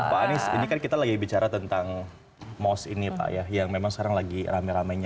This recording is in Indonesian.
pak anies ini kan kita lagi bicara tentang mos ini pak ya yang memang sekarang lagi rame ramenya